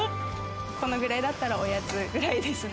このくらいだったら、おやつぐらいですね。